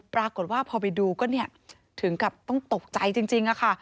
ปรากฏว่าพอไปดูก็เนี่ยถึงกับต้องตกใจจริงค่ะ